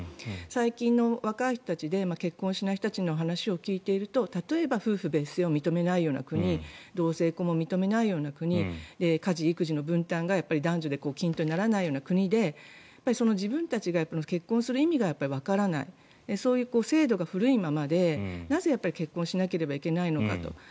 最近の若い人たちで結婚しない人たちの話を聞いていると例えば夫婦別姓を認めないような国同性婚も認めないような国家事、育児の分担が男女で均等にならないような国で自分たちが結婚する意味がわからないそういう制度が古いままでなぜ結婚しなければいけないのかと。